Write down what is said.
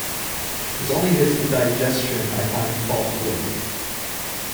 It's only his indigestion I find fault with.